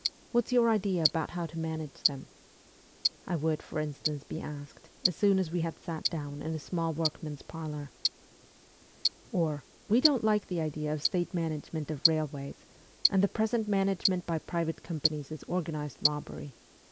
What's your idea about how to manage them ?' I would, for instance, be asked as soon as we had sat down in a small workman's parlour. Or, ' We don't like the idea of state management of railways, and the present management by private companies is organized robbery.